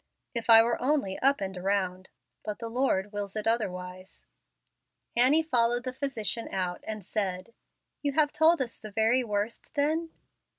If I were only up and around; but the Lord wills it otherwise." Annie followed the physician out and said, "You have told us the very worst then?"